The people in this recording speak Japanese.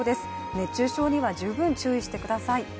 熱中症には十分注意してください。